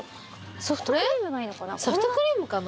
ソフトクリームかな？